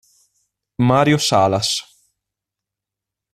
Mario Salas